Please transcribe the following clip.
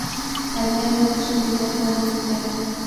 Allí anotó su primer gol oficial.